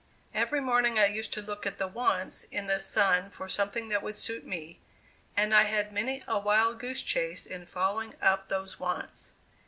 Every morning I used to look at the "wants" in the Sun for something that would suit me; and I had many a wildgoose chase in following up those "wants."